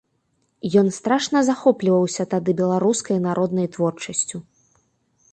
Ён страшна захопліваўся тады беларускай народнай творчасцю.